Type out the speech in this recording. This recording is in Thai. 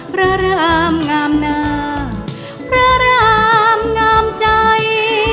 พระรามงามหน้าพระรามงามใจ